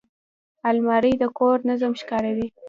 الماري د کور نظم ښکاروي